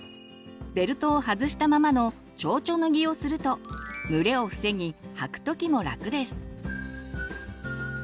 ベルトを外したままの「ちょうちょ脱ぎ」をすると蒸れを防ぎ履く時も楽です。